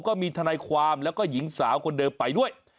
ก็มีทนายความแล้วก็หญิงสาวคนเดิมไปด้วย